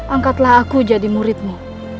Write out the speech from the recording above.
angkatlah aku jadi muridmu